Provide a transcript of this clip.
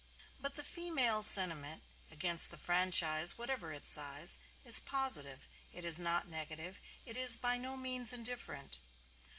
But the female sentiment against the franchise, whatever its size, is positive. It is not negative; it is by no means indifferent.